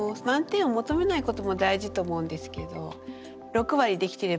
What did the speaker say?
満点を求めないことも大事と思うんですけど。